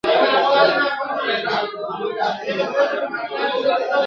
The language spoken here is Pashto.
بلبل به په سرو سترګو له ګلڅانګو ځي، کوچېږي !.